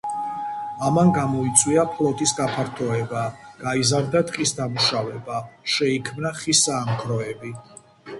ამან გამოიწვია ფლოტის გაფართოება, გაიზარდა ტყის დამუშავება, შეიქმნა ხის საამქროები.